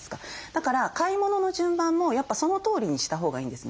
だから買い物の順番もやっぱそのとおりにしたほうがいいんですね。